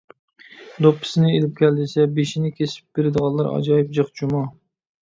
دوپپىسىنى ئېلىپ كەل دېسە، بېشىنى كېسىپ بېرىدىغانلار ئاجايىپ جىق جۇمۇ!